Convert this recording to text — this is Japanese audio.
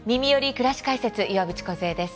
くらし解説」岩渕梢です。